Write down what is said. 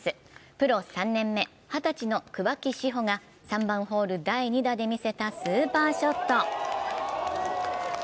プロ３年目、二十歳の桑木志帆が３番ホール第２打で見せたスーパーショット。